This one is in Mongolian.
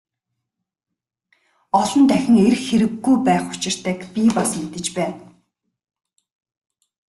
Олон дахин ирэх хэрэггүй байх учиртайг би бас мэдэж байна.